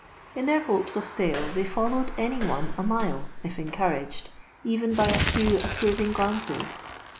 In their hopes of sale they followed any one a mile if encouraged, even by a few approving glances.